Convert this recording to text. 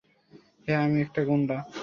হ্যাঁ, আমি একটা গুন্ডা।